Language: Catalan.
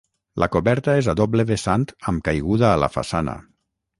La coberta és a doble vessant amb caiguda a la façana.